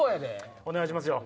お願いしますよ！